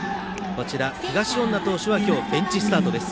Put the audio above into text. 東恩納投手は今日、ベンチスタートです。